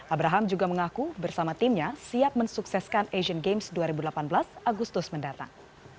abraham juga mengaku bersama timnya siap mensukseskan asian games dua ribu delapan belas agustus mendatang